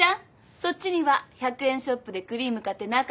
そっちには１００円ショップでクリーム買って中に詰めといて。